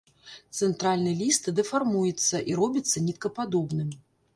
Цэнтральны ліст дэфармуецца і робіцца ніткападобным.